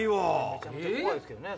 めちゃめちゃ怖いですけどね